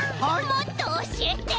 もっとおしえて！